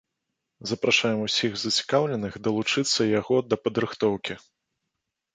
Запрашаем усіх зацікаўленых далучыцца яго да падрыхтоўкі.